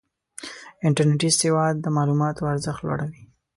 انټرنېټي سواد د معلوماتو ارزښت لوړوي.